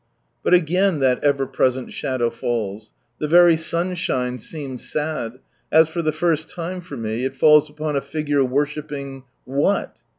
But again that ever present shadow falls ; the very sunshine seems sad as, for the first time for me, it falls upon a figure worshipping — what